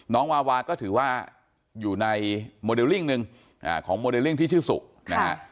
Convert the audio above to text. วาวาก็ถือว่าอยู่ในโมเดลลิ่งหนึ่งของโมเดลลิ่งที่ชื่อสุนะฮะ